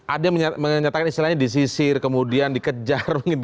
ada yang menyatakan istilahnya disisir kemudian dikejar begitu